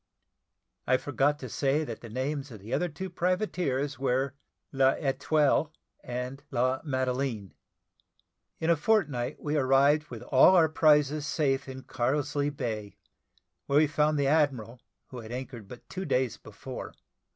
I forgot to say that the names of the other two privateers were L'Etoille and La Madeleine. In a fortnight we arrived with all our prizes safe in Carlisle Bay, where we found the admiral, who had anchored but two days before.